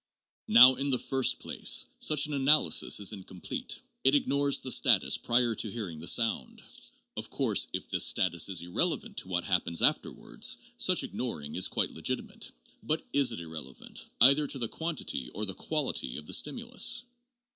Now, in the first place, such an analysis is incomplete ; it ignores the status prior to hearing the sound. Of course, if this status is irrelevant to what happens afterwards, such ignoring is quite legitimate. But is it irrele vant either to the quantity or the quality of the stimulus